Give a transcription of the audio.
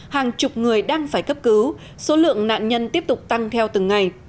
hàng chục người đang phải cấp cứu số lượng nạn nhân tiếp tục tăng theo từng ngày